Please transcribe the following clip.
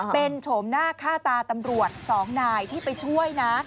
เป็นโฉมหน้าค่าตาตำรวจสองนายที่ไปช่วยนะ